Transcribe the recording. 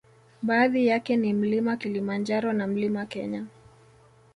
Baadhi yake ni mlima kilimanjaro na mlima Kenya